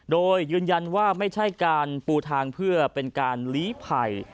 โดยยืนยันว่าไม่ใช่การปูทางเพื่อเป็นการลีภัย